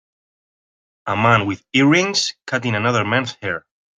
A man with earrings cutting another man 's hair.